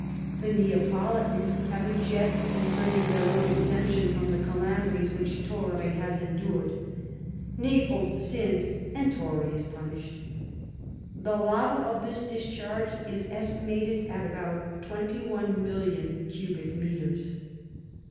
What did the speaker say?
The Neapolitans have a jest concerning their own exemption from the calamities which Torre has endured: "Naples sins and Torre is punished." The lava of this discharge is estimated at about twenty one million cubic metres.